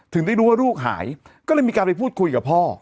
ถึงได้รู้ว่าลูกหายก็เลยมีการไปพูดคุยกับพ่อ